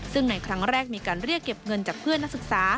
ซึ่งในครั้งแรกมีการเรียกเก็บเงินจากเพื่อนนักศึกษา